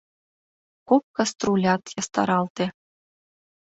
Кок каструлят ястаралте.